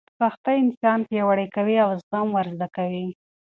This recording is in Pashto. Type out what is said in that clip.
سختۍ انسان پیاوړی کوي او زغم ور زده کوي.